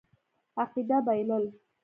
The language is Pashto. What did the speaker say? عقیده بایلل.